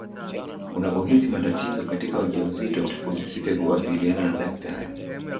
unapohisi matatizo katika ujauzito usisite kuwasiliana na daktari